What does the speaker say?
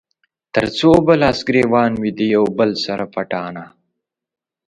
تر څو به لاس ګرېوان وي د يو بل سره پټانــه